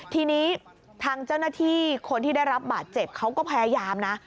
ทีนี้ทางเจ้าหน้าที่คนที่ได้รับบาดเจ็บเขาก็พยายามนะ